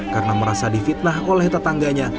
karena merasa difitnah oleh tetangganya